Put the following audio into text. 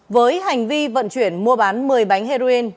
với hành vi vận chuyển mua bán một mươi bánh heroin